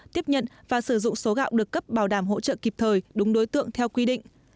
tiếp nhận và sử dụng số gạo được cấp bảo đảm hỗ trợ kịp thời đúng đối tượng theo quy định